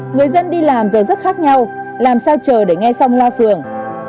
người dân đi làm giờ rất khác nhau làm sao chờ để nghe xong la phường